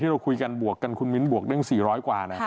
ที่เราคุยกันบวกกันคุณมิ้นต์บวกได้อย่าง๔๐๐กว่านะ